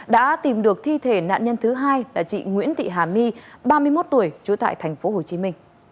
đã tìm được thi thể nạn nhân thứ hai là chị nguyễn thị hà my ba mươi một tuổi trú tại tp hcm